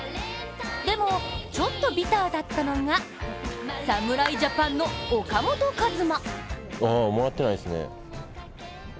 でも、ちょっとビターだったのが侍ジャパンの岡本和真。